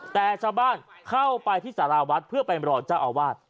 แต่ชาวบ้านเข้าไปที่สาราวัดเพื่อไปรอเจ้าอาวาส